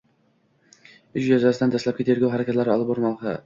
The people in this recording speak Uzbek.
Ish yuzasidan dastlabki tergov harakatlari olib borilmoqda.